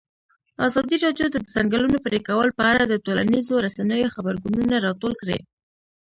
ازادي راډیو د د ځنګلونو پرېکول په اړه د ټولنیزو رسنیو غبرګونونه راټول کړي.